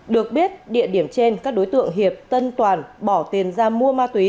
được biết địa điểm trên các đối tượng hiệp tân toàn bỏ tiền ra mua ma túy